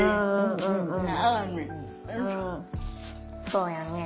そうやね。